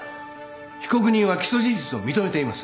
被告人は起訴事実を認めています。